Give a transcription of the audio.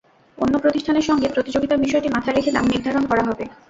অন্য প্রতিষ্ঠানের সঙ্গে প্রতিযোগিতার বিষয়টি মাথায় রেখে দাম নির্ধারণ করা হবে।